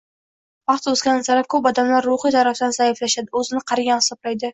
Vaqt o‘tgan sari ko‘p odamlar ruhiy tarafdan zaiflashadi, o‘zini qarigan hisoblaydi.